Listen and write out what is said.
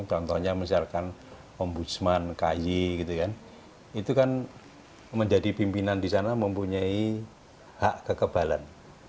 contohnya misalkan ombudsman kay gitu kan itu kan menjadi pimpinan di sana mempunyai hak kekebalan